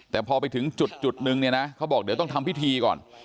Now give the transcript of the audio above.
แต่พอไปถึงจุดนึงเนี่ยนะเขาบอกเดี๋ยวต้องทำพิธีก่อน